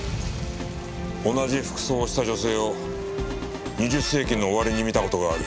同じ服装をした女性を２０世紀の終わりに見た事がある。